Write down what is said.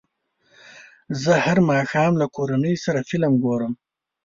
زه هر ماښام له کورنۍ سره فلم ګورم.